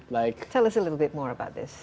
beritahu kami sedikit lebih tentang ini